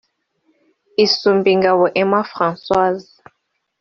Isumbingabo Emma Françoise